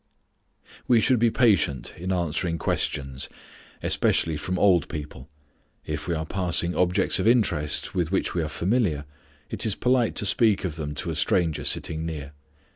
We should be patient in answering questions, especially from old people. If we are passing objects of interest with which we are familiar, it is polite to speak of them to a stranger sitting near.